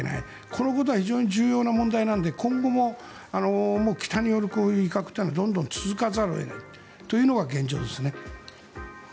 このことは非常に重要な問題なので今後も北による攻撃、威嚇というのはどんどん続かざるを得ないというのが現状ですね。